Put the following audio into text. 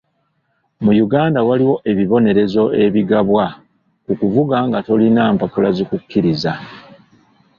Mu Uganda waliwo ebibonerezo ebigabwa ku kuvuga nga tolina mpapula zikukkiriza.